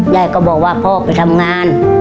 ยายก็บอกว่าพ่อไปทำงาน